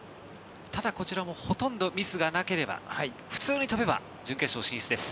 ただこちらもほとんどミスがなければ普通に飛べば準決勝進出です。